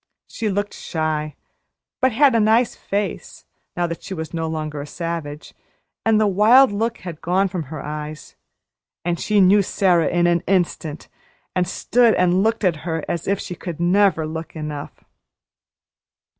She looked shy, but she had a nice face, now that she was no longer a savage; and the wild look had gone from her eyes. And she knew Sara in an instant, and stood and looked at her as if she could never look enough.